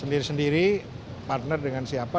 sendiri sendiri partner dengan siapa